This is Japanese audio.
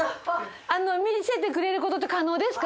見せてくれることって可能ですか？